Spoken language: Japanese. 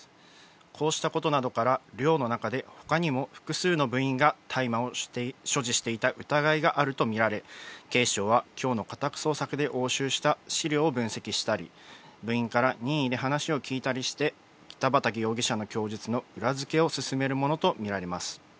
こうしたことなどから、寮の中でほかにも複数の部員が大麻を所持していた疑いがあると見られ、警視庁はきょうの家宅捜索で押収した資料を分析したり、部員から任意で話を聴いたりして、北畠容疑者の供述の裏付けを進めるものと見られます。